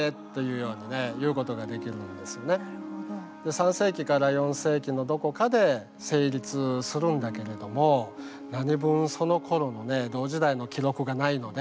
３世紀から４世紀のどこかで成立するんだけれども何分そのころの同時代の記録がないので。